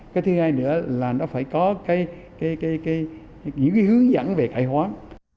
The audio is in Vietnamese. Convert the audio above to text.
cái thứ hai nữa là nó phải có những hướng dẫn về cải hoán